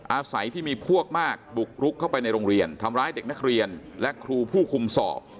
อาศัยที่มีพวกมากบุกรุกเข้าไปในโรงเรียนทำร้ายเด็กนักเรียนและครูผู้คุมสอบ